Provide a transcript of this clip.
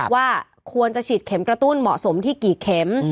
ว่าควรจะฉีดเข็มกระตุ้นเหมาะสมที่กี่เข็ม